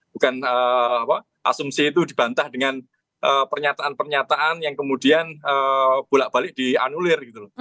bukan asumsi itu dibantah dengan pernyataan pernyataan yang kemudian bolak balik dianulir gitu loh